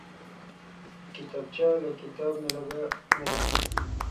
کتابچه له کتاب نه لږ نه ده